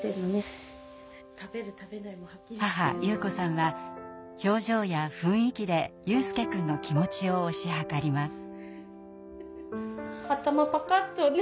母優子さんは表情や雰囲気で悠翼くんの気持ちを推し量ります。